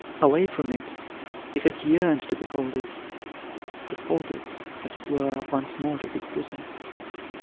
Away from it, he had yearned to behold it, to fold it, as it were, once more to his bosom.